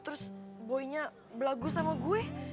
terus goinya belagu sama gue